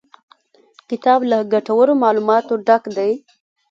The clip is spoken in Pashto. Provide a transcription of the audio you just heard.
کتاب له ګټورو معلوماتو ډک دی.